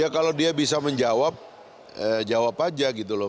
ya kalau dia bisa menjawab jawab aja gitu loh